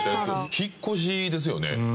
引っ越しですよね。